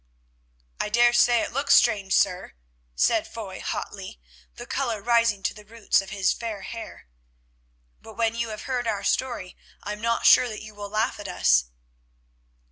"I daresay it looks strange, sir," said Foy, hotly, the colour rising to the roots of his fair hair, "but when you have heard our story I am not sure that you will laugh at us."